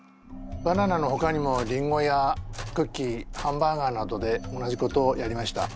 バナナのほかにもリンゴやクッキーハンバーガーなどで同じことをやりました。